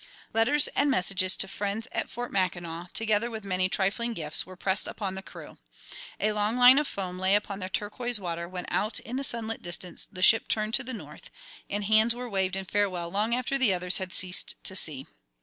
Letters and messages to friends at Fort Mackinac, together with many trifling gifts, were pressed upon the crew. A long line of foam lay upon the turquoise water when out in the sunlit distance the ship turned to the north, and hands were waved in farewell long after the others had ceased to see.